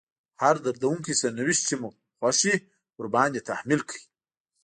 هر دردونکی سرنوشت چې مو خوښ وي ورباندې تحميل کړئ.